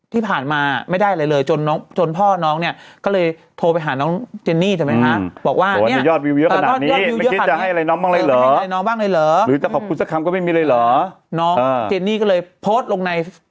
ท่านนิมมิตรนะบอกได้ยินเสียงผู้หญิงร้อง